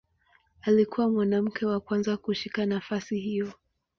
Alikuwa mwanamke wa kwanza kushika nafasi hiyo.